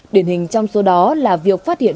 điển hình trong số đó là việc phát hiện